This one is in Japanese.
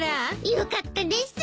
よかったです。